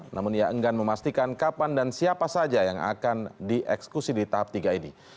namun ia enggan memastikan kapan dan siapa saja yang akan dieksekusi di tahap tiga ini